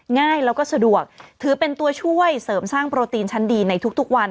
ง่ายแล้วก็สะดวกถือเป็นตัวช่วยเสริมสร้างโปรตีนชั้นดีในทุกวัน